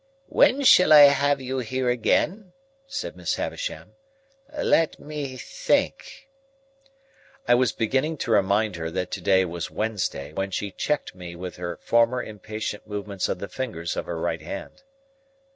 "When shall I have you here again?" said Miss Havisham. "Let me think." I was beginning to remind her that to day was Wednesday, when she checked me with her former impatient movement of the fingers of her right hand.